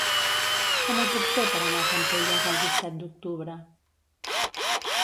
Com ho puc fer per anar a Campelles el disset d'octubre?